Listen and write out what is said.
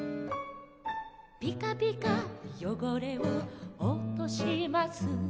「ピカピカ汚れをおとします」